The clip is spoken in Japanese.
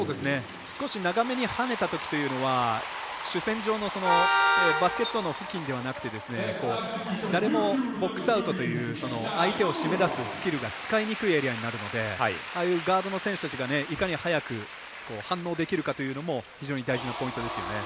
少し長めにはねたときというのは主戦場のバスケットの付近ではなくて誰もボックスアウトという相手を締め出すスキルが使いにくいエリアになるのでガードの選手たちがいかに早く反応できるかというのも非常に大事なポイントですよね。